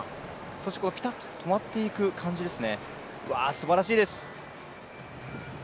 そしてピタッと止まっていく感じ、すばらしいです。